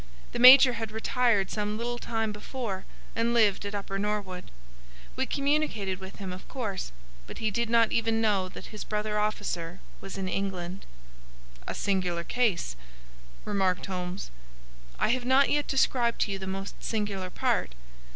The major had retired some little time before, and lived at Upper Norwood. We communicated with him, of course, but he did not even know that his brother officer was in England." "A singular case," remarked Holmes. "I have not yet described to you the most singular part.